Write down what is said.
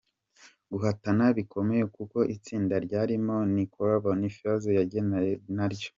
guhatana bikomeye kuko itsinda ryarimo Niccolo Bonifazio yagendanye naryo